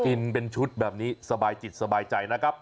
กินเป็นชุดแบบนี้สบายจิตสบายใจนะครับ